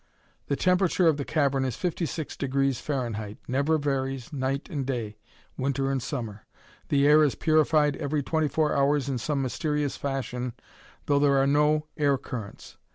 The temperature of the cavern is 56 degrees Fahrenheit, never varies, day and night, winter and summer. The air is purified every twenty four hours in some mysterious fashion, though there are no air currents.